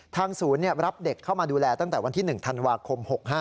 ทางศูนย์รับเด็กเข้ามาดูแลตั้งแต่วันที่๑ธันวาคม๖๕